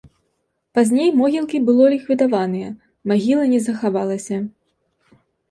Пазней могілкі было ліквідаваныя, магіла не захавалася.